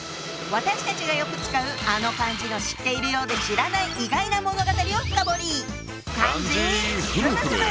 私たちがよく使うあの漢字の知ってるようで知らない意外な物語を深掘り！